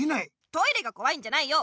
トイレがこわいんじゃないよ。